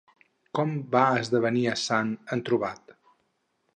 Com va esdevenir a sant en Trobat?